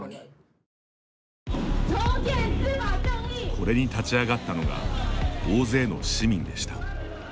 これに立ち上がったのが大勢の市民でした。